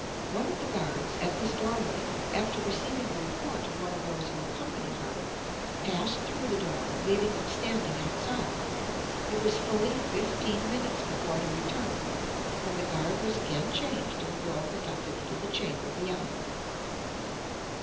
One of the guards at this doorway, after receiving the report of one of those who accompanied her, passed through the door, leaving them standing outside. It was fully fifteen minutes before he returned, when the guard was again changed and the girl conducted into the chamber beyond.